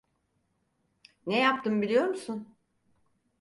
Ne yaptım biliyor musun?